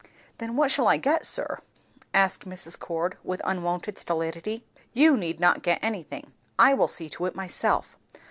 "Then what shall I get, sir?" asked Mrs. Cord with unwonted stolidity. "You need not get anything. I will see to it myself.